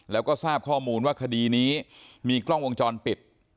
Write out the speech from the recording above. แล้วก็ทราบข้อมูลว่าคดีนี้มีกล้องวงจรปิด